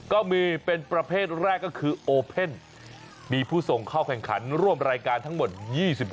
ก็มีเป็นประเภทแรกก็คือโอเพ่นมีผู้ส่งเข้าแข่งขันร่วมรายการทั้งหมด๒๖